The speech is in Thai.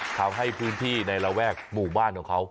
ทำให้พื้นที่ในระแวกหมู่บ้านของเขา